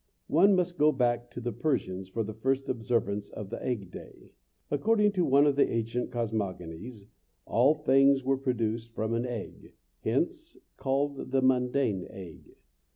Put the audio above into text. One must go back to the Persians for the first observance of the egg day. According to one of the ancient cosmogonies, all things were produced from an egg, hence called the mundane egg.